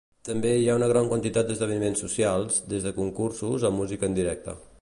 També hi ha una gran quantitat d'esdeveniments socials, des de concursos a música en directe.